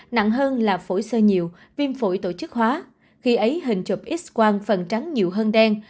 nặng hơn là phổi sơ nhiều viêm phổi tổ chức hóa khi ấy hình chụp x quang phần trắng nhiều hơn đen